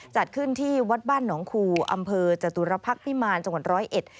จัดขึ้นที่วัดบ้านหนองคูอำเภอจตุรพักษ์พิมารจังหวัดร้อยเอ็ด